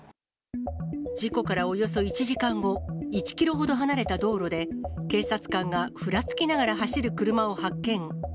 事故からおよそ１時間後、１キロほど離れた道路で、警察官がふらつきながら走る車を発見。